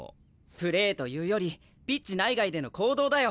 プレーというよりピッチ内外での行動だよ。